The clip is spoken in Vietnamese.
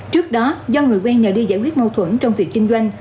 trước đó do người quen nhờ đi giải quyết mâu thuẫn trong việc kinh doanh